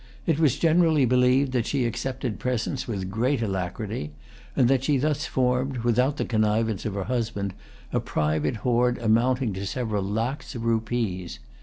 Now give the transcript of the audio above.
It was generally believed that she accepted presents with great alacrity, and that she thus formed, without the connivance of her husband, a private hoard amounting to several lacs of rupees.